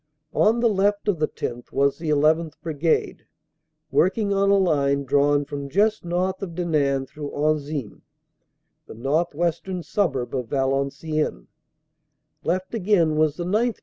On the left of the 10th. was the llth. Brigade, work ing on a line drawn from just north of Denain through Anzin, the northwestern suburb of Valenciennes; left again was the 9th.